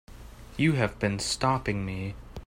You have been stopping me.